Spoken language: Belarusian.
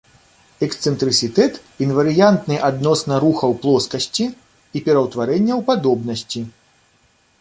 Эксцэнтрысітэт інварыянтны адносна рухаў плоскасці і пераўтварэнняў падобнасці.